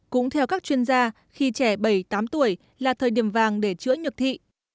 cũng theo các chuyên gia khi trẻ bảy tám tuổi là thời điểm vàng để chữa nhược thị